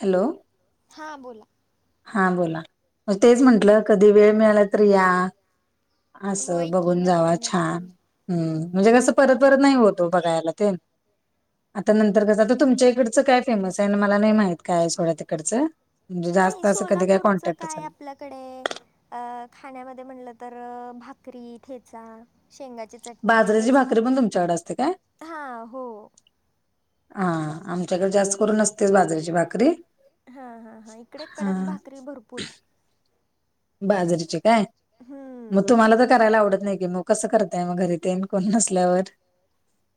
Hello. हां बोला. हा बोला, म तेच म्हंटलं कधी वेळ मिळाला तर या. असं, होय की बघून जावा नक्की नक्की छान. हम्म म्हणजे कसं परत परत नाही होत हो बघायला ते. आता नंतर कस, आता तुमच्या इकडचं काय फेमस आहे आणि मला नाही माहित काय आहे सोडा तिकडचं. [unintelligible] नाही, कधी काय सोलापूरचं कॉन्टॅक्ट काय चाल आपल्या कडे अ खाण्यामध्ये म्हनलं तर भाकरी ठेचा शेंगाची चटणी बाजरीची हेच भाकरी पण तुमच्याकडे असते काय? हां हो हा आमच्याकडे जास्त करून नसतेच बाजरीची भाकरी ह ह ह इकडे हा कडक भाकरी भरपूर. बाजरीची काय! मग हम्म तुम्हाला तर करायला आवडत नाही की मग? कसं करताय मग घरी ते आणि कोण नसल्यावर?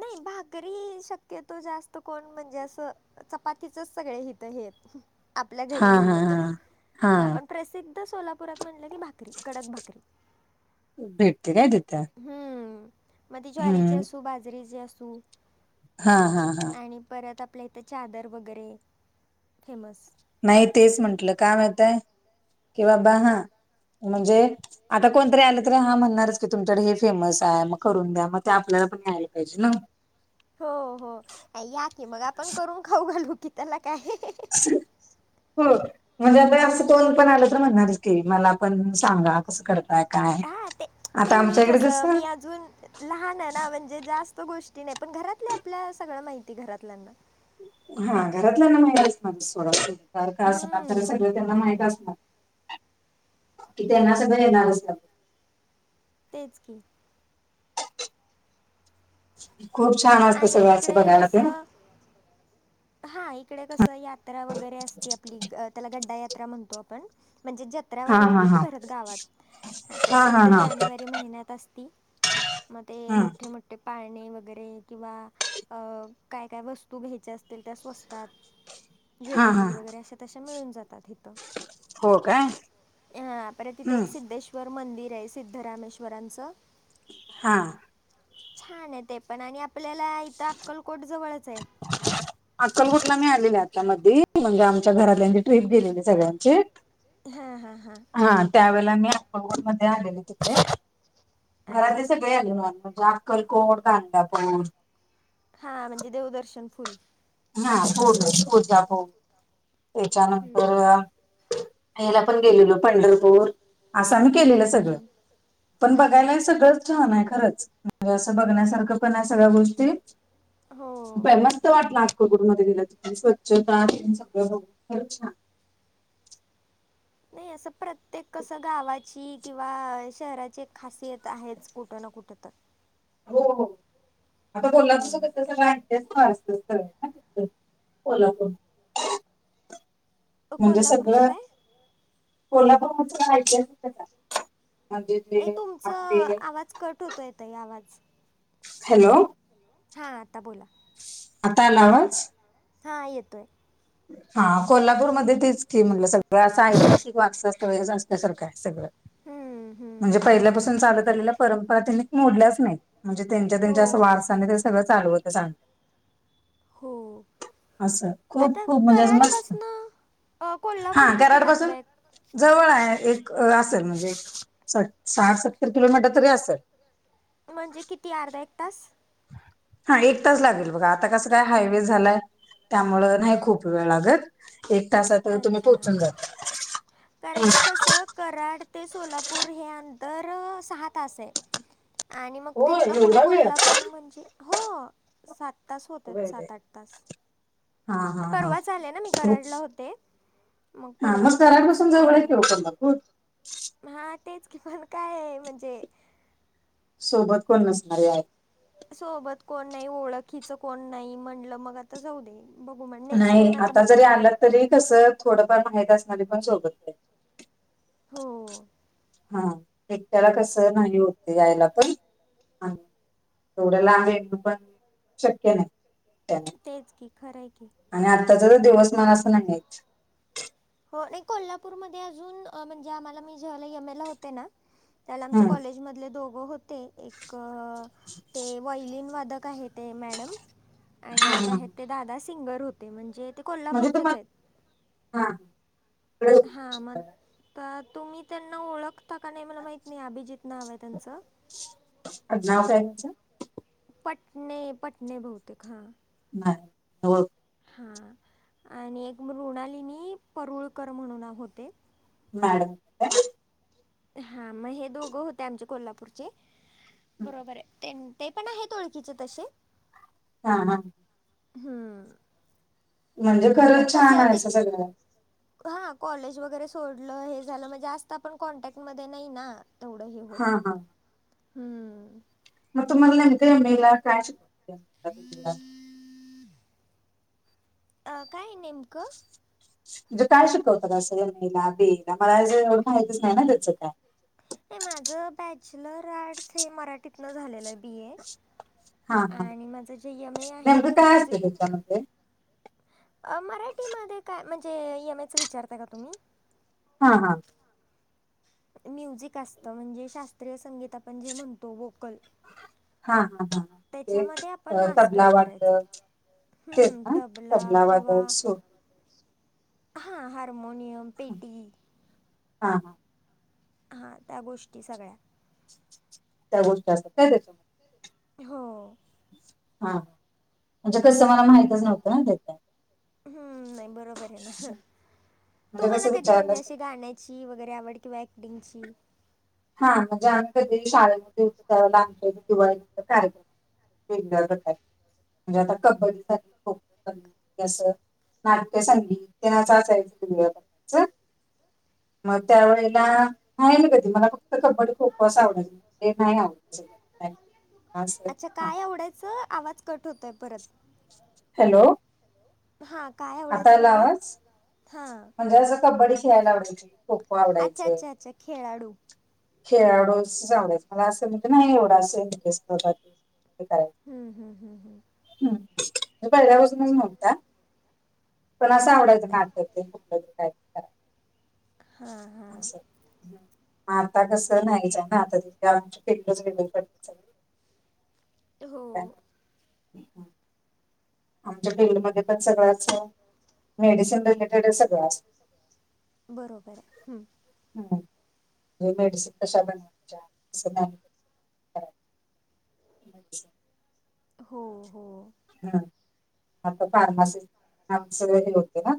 नाही भाकरी शक्यतो जास्त कोण म्हणजे असं चपातीचच सगळे हित हे आहेत आपल्या घरी हा हा म्हणलं तर हा हा पण प्रसिद्ध सोलापूरात म्हणलं की भाकरी. कडक भाकरी. भेटते काय तिथं हम्म, म ती ज्वारीची हम्म असू, बाजरीची असू हा हा हा. आणि परत आपल्या इथं च्यादर वगैरे, फेमस नाही, तेच म्हंटलं, काय माहीतय कि बाबा हा. म्हणजे आता कोणतरी आणल तरी हा म्हणणारच की तुमच्या इकडे हे फेमस आहे मग करून द्या मग ते आपल्याला पण यायला पाहिजे न? हो हो या की मग आपण करून खाऊ घालू की, त्याला काय? [inaudible] हो म्हणजे आता हे असं कोण पण आलं तर म्हणणारच की मला पण सांगा कसं करताय? काय हा ते, ते आता मी आमच्याकडे कसं, मी अजून लहान आहे ना म्हणजे जास्त गोष्टी नाही. पण घरातले आपल्या सगळं माहिती घरातल्यांना. हा घरातल्यांना माहितीच [unintelligible] सारखं असणार कारण हम्म, सगळं त्यांना माहित असणार, की त्यांना सगळं येणार असतं. तेच की. खूप छान असतं आणि सगळ अस इकडे बघायला ते ना? कसं हा इकडे कस यात्रा वगैरे असते आपली. त्याला गड्डा यात्रा म्हणतो आपण, म्हणजे जत त्रा हा वगैरे हा नाही हा का भरत गावात हा आताशी हा हित हा जानेवारी महिन्यात असती. मग ते हम्म मोठे, मोठे पाळणे वगैरे किंवा अ काय, काय वस्तू घ्यायचे अस ते त्या स्वस्तात हा हा ज्वेलरी वगैरे अशा, तशा मिळून जातात. तिथं हो काय यहां पर तिथे हम्म एक सिद्धेश वर मंदिरेयं सिद्धरामेश्वराचं हां छान‌ये ते पण आणि आपल्याला इथं आक्कलकोट जवळचेयं. आक्कलकोटला मी आलेले आत्ता मध्यी म्हणजे आमच्या घरात त्यांची ट्रिप गेलीली सगळ्यांची हां हां हां त्यावेळेला मी आक्कलकोट मध्ये आलेले तिथे अच्छा घरातले सगळे आले म्हण म्हणजे आक्कलकोट, गाणंगापूर हां म्हणजे देवदर्शन फुल हां हो गं [unintelligible] त्याच्यानंतर ह्याला पण गेलेलो पंढरपूर आसं आम्ही केलेलं हम्म सगळं, हम्म पण अच्छा बघायला सगळंच छानहायं खरंच म्हंजे आस बघण्यासारखं पणायं सगळ्या गोष्टी हो. फेमस स्त वाटलं आक्कलकोट मध्ये गेल्या तिथली स्वच्छता तिथून सगळं बघून खरं छान नाही असं प्रत्येक कसं गावाची किंवा शहराची एक खासियत आहेच कुठं ना कुठं तर. हों हों आता हम्म [unintelligible] त कोल्हापूर म्हणजे कोल्हापूरचं सगळं काय? कोल्हापूर मग ते ऐतिहासिकच हाय म्हणजे ए ते तुमचं आपले आवाज कट होतंय ताई आवाज हॅलो हां आता बोला आता आला आवाज. हां येतोय. हां कोल्हापूरमध्ये तेच की म्हटलं सगळं आसं ऐतिहासिक वारसा स्थळेच असल्यासारखंय सगळं हम्म, म्हणजे हम्म, बरोबर आहे पहिल्यापासून चालत आलेल्या परंपरा त्यांनी मोडल्याच नाही. म्हणजे त्यांच्या हो त्यांच्या असं वारसाने ते सगळं चालवतच आणल हों आता खूप म्हणजे असं मस्त कराडपासनं कोल्हापूर हा किती कराड पासून लांबयं? जवळ हाय एक असेल म्हणजे एक स साठ सत्तर किलोमीटर तरी असेल. म्हणजे किती अर्धा एक तास? हां एक तास लागेल बघा आता कसं काय हायवे झालाय. त्यामुळं नाही खूप वेळ लागत. एक तासातर तुम्ही अच्छा पोहचून जाता कारण की [unintelligible] कसं कराड ते सोलापूर हे अंतर सहा तासयं. आणि मग हो तिथन पुढं एवढा वेळ कोल्हापूर म्हणजे हो. सात तास होत्यात सात, आठ तास. हा हा परवाच आले नां मी कराडला होते. मग हां परवा मस्त कराड दिवशीच पासून जवळायं की ओ कोल्हापूर. हां तेच कि पण कायंये म्हणजे. सोबत कोण नसणारेयं. सोबत कोण नाही, ओळखीच कोण नाही, म्हणलं मग आता जाऊ दे. बघू मग नेक्स्ट नाही टाईम! आता बघू जरी की. आलात तरी कसं थोडंफार माहित असणार पण सोबत आहे. हो. हा एकट्याला कसं नाही होत यायला पण तेवढ्या लांब येन पण शक्य नाही तेच की खरं हाय की. आणि आत्ताचा तर दिवसमान असं नाहीच. हो नाही कोल्हापूरमध्ये अजून म्हणजे आम्हाला मी ज्यावेळेला एमएला होते ना. त्याला आमच्या कॉलेजमधले दोघं होते एक ते वॉयलिन वादक आहेत. ते मॅडम आणि एक आहे ते दादा सिंगर होते म्हणजे ते म्हणजे तु म कोल्हापूरचेच आहेत हा. हा मग तुम्ही त्यांना ओळखता का नाही मला माहित नाय अभिजित नाव आहे त्यांचं. अडनाव काय आहे तिच. पटणे पटणे बहुतेक हा. नाय [unintelligible] हा आणि एक मृणालिनी परुळकर म्हणून होते. मॅडम हा मग हे दोघं होते आमचे कोल्हापूरचे बरोबर आहे ते ते पण आहेत ओळखकीचे तसे. हा हा. हम्म‌ म्हणजे खरं छान आहेस सगळं. हा कॉलेज वगैरे सोडलं हे झालं म्हणजे जास्त आपण कॉन्टॅक्टमध्ये नाही ना. तेवढं हे होत हा हम्म. म तुमाला नेमकं [unintelligible] अ काय नेमकं? म्हणजे काय शिकवतातं एमएला बिएला मला ज एवढं मातीच नाही ना त्याचं काय नाही माझं बॅचलर आर्ट्स हे मराठीतनं झालेलं आहे बी ए हा हा आणि माझं जे एम ए आहे नेमकं ते काय म्युझिक. [unintelligible] अ मराठीमध्ये काय म्हणजे एम एच विचारताय का तुम्ही? हां हा. म्युझिक असतं म्हणजे शास्त्रीय संगीत आपण जे म्हणतो व्होकल हा हा हा ते त्याच्यामध्ये आपण अ, तबला मास्टर करायचं. वादक तेच हम्म ना तबला वादक किंवा सो हां हारमोनियम पेटी हां हा. हां त्या गोष्टी सगळ्या त्या गोष्टी असतात काय त्याच्यात? हो. हां. म्हणजे कसं मला माहितच नव्हतं ना त्यात काय? हं, नाही बरोबर आहे ना. म्हणजे कसं विचारल्या सारखं ची वगैरे आवड किंवा ॲक्टिंगची हां म्हणजे आम्ही कधी शाळेमध्ये होतो तेव्हा, लहानपणी दिवाळीनंतर कार्यक्रम [unintelligible] म्हणजे आता कबड्डीसाठी खो-खो [unintelligible] असं नाट्य संगीत त्यांनाच असायचं दिवाळीला मग त्या वेळेला नाही ना कधी मला फक्त कबड्डी खो-खो असं आवडायचं, ते नाही आवडतं. [unintelligible] हा सर अच्छा काय आवडायचं आवाज कट होतोय परत हॅलो हां काय आता आवडायचं यायला म्हणालात? आवाज? हां. म्हणजे असं कबड्डी खेळायला आवडायची. खो-खो अच्छा, आवडायचं. अच्छा, अच्छा खेळाडू. खेळाडूस तस आवडायचं मला असं मी तर नाही एवढं असं [unintelligible] हे करायचं हम्म हम्म हम्म हम्म. हम्म तुम्ही पहिल्या पासूनच म्हणताय? पण असं आवडायचं नात ते कुठलं तर काय कराय हां हां [unintelligible] हम्म आता कसं नाही जमनार, म्हातारी कड आमचे [unintelligible] सगळे [inaudible] ते हो. हो का? आमच्या फील्डमध्ये पण सगळं असतं, मेडिसिन रिलेटेडच सगळं असत बरोबर आहे हम्म. हम्म म्हणजे मेडिसिन कशा बनवायच्या कसं नाही [unintelligible] हो हो. हम्म आता फार्मा सहीत आमचे सगळे गेले होते ना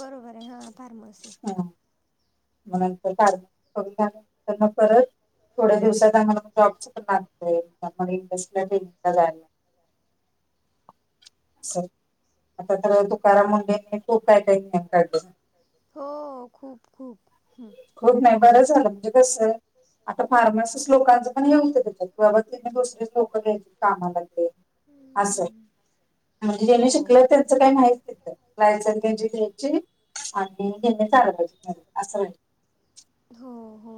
बरोबर आहे हां फार्मसी हां. म्हणून तर फार्मा पण मग त्यांना परत थोड्या दिवसात [unintelligible] जॉबच करणार. म्हणजे त्यांना [unintelligible] जायला. सर आता तर तुकाराम मुंडेनी [unintelligible] खुप काही काही नियम काढले आहेत. हो खूप खूप हम.. खूप नाही बरं झालं म्हणजे कसं आता फार्मासिस्ट लोकांचं पण हे होइल ते त्याच्यात बाबा तिने दुसरेच लोकं घ्यायचेत कामाला ते असं. हम्म. म्हणजे ज्यांनी हो शिकले त्यांचं काही नाहीच तिथं वाया चालली म्हणजे घ्यायची आणि त्यांना चारत बसणारे असं म्हणजे हो हो.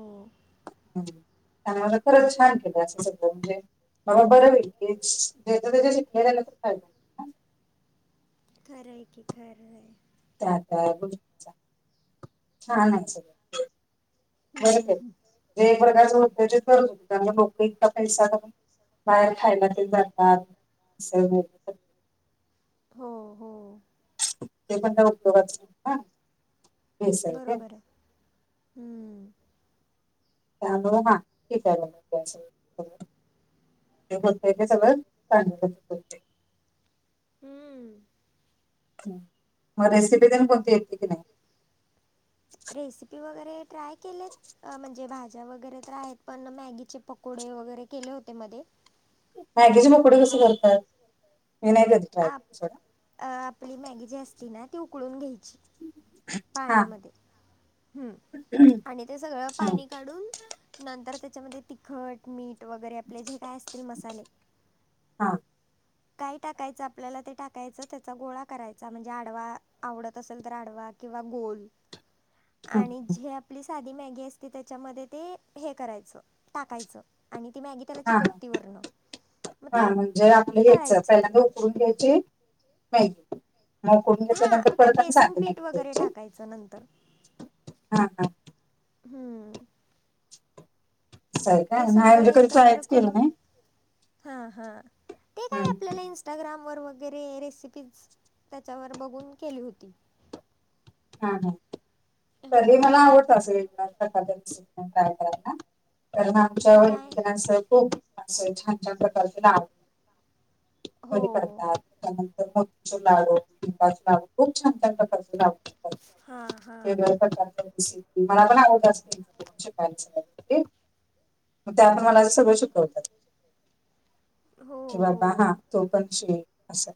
[unintelligible] खरंच छान केलं असं सगळ म्हणजे बरोबर भेटलीत ज्याचं त्याच शिकलेले फायदा. होईल ना खरं आहे की खरं आहे. त्या का गोष्टीचा छान आहे सगळ. हं, हं. वर्गाचं [unintelligible] होतज करत त्यांना लोक इतका पैसा बाहेर खायला ते जातात कसंही बोललं तरं हो हो. ते पण काय उपयोगाच नाही ना. भेसळ ते बरोबर आहे हम्म. त्यामुळे हा [unintelligible] जे बोलतय ते सगळ चांगलं होतंय. हम्म. मग रेसिपी देण कोणती येते की नाही. रेसिपी वगैरे ट्राय केलेत म्हणजे भाज्या वगैरे तर आहेत. पण मॅगीचे पकोडे वगैरे केले होते मध्ये - मॅगेचे पकोडी कसं करतात मी नाही कधी - आप आपली मॅगी जी असती ना ती उकळून घ्यायची. हा पाण्यामध्ये हम्म हम्म. आणि ते सगळं पाणी काढून. नंतर त्याच्यामध्ये तिखट मीठ वगैरे आपले जे काय असतील मसाले. हां. काय टाकायचं आपल्याला ते टाकायचं त्याचा गोळा करायचा म्हणजे आडवा आवडत असेल तर आडवा. किंवा गोल. हम्म. आणि जे आपली साधी मॅगी असते त्याच्यामध्ये ते हे करायचं टाकायचं. आणि ती मॅगी त्याला हा चिकट्टी वरणं मग ते. जे आपलं घ्यायचं तळायचं ते पहिल्यांदा उकळून घ्यायचे नाही. मग कोण घेत नंतेप हां बेसन शांध पीठ म वगैरे जा टाकायचं नंतर हा हा [inaudible] हम्म. असं आहे ते काय नाही सगळं म्हणजे कधी एकत्र ट्रायच केलं करून. नाही हा हा ते काय हम्म. आपल्याला हम्म, इन्स. इंस्टाग्रामवर वगैरे रेसिपीज त्याच्यावर बघून केली होती. हा हा. हो मला आवडत अस न कध ट्राय कराय [inaudible] आमच्या अ काय वनास खूप छान छ प्रकारचे नाव. हो बरी करतात. त्यानंतर मोतीचूर चे लाडू खूप छान छान प्रकारच लाडू. करतात हा. मला पण आव [inaudible] मग त्या मला असं सगळं शिकवतात हो बाबा हा हो तो पण शिक असं.